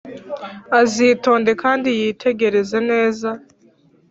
azitonde kandi yitegereze neza !»